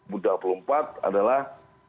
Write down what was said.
budapest dua puluh empat adalah